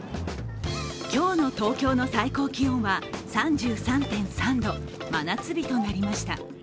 今日の東京の最高気温は３３．３度、真夏日となりました。